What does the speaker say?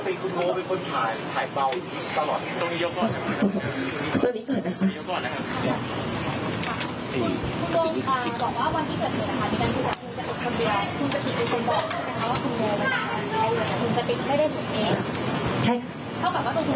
ตั้งแต่วันที่เขาให้การเขาไม่ได้คุยกับใครอีก